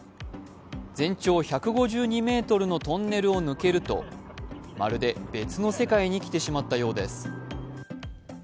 全長１５２ｍのトンネルを抜けると、まるで別の世界に来てしまったようです。